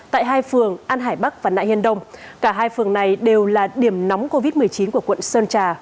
tại hai phường an hải bắc và nại hiên đông cả hai phường này đều là điểm nóng covid một mươi chín của quận sơn trà